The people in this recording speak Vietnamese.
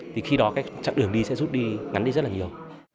thì khi đó các chặng đường đi sẽ rút đi ngắn đi rất là nhiều